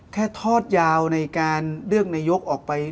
ทอดยาวในการเลือกนายกออกไป